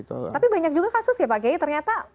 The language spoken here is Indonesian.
tapi banyak juga kasus ya pak kiai ternyata